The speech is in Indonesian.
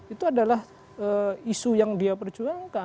itu adalah isu yang dia perjuangkan